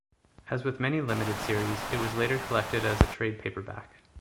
As with many limited series, it was later collected as a trade paperback.